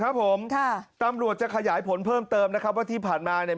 ครับผมค่ะตำรวจจะขยายผลเพิ่มเติมนะครับว่าที่ผ่านมาเนี่ย